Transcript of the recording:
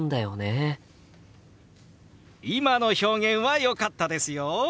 今の表現はよかったですよ！